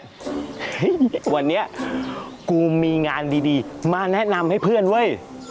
วันนี้กูมีงานดีมาแนะนำให้เพื่อนเว้ย